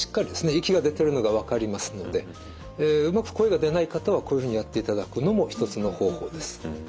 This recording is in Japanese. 息が出てるのが分かりますのでうまく声が出ない方はこういうふうにやっていただくのも一つの方法です。